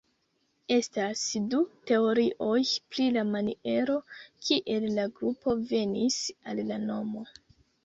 Estas du teorioj pri la maniero, kiel la grupo venis al la nomo.